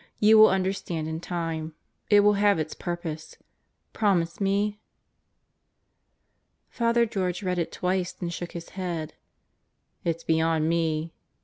You will understand in time. It will have its purpose. Promise me?" Father George read it twice then shook his head. "It's beyond me.